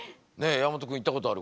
山本君行ったことある？